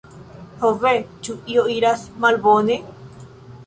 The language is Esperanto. ho ve, ĉu io iras malbone?